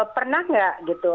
pernah nggak gitu